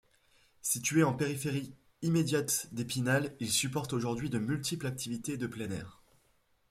Situé en périphérie immédiate d’Épinal, il supporte aujourd'hui de multiples activités de plein air.